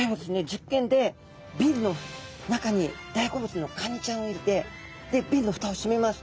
実験でビンの中に大好物のカニちゃんを入れてビンのふたをしめます。